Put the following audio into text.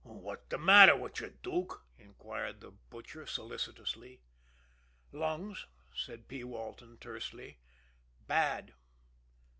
"What's de matter with you, Dook?" inquired the Butcher solicitously. "Lungs," said P. Walton tersely. "Bad."